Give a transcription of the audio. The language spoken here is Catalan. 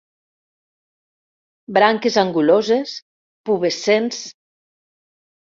Branques anguloses, pubescents.